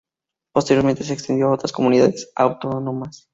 Posteriormente se extendió a otras Comunidades Autónomas.